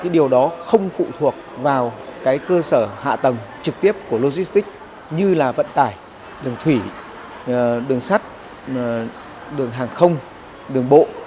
điều đó không phụ thuộc vào cơ sở hạ tầng trực tiếp của logistics như vận tải đường thủy đường sắt đường hàng không đường bộ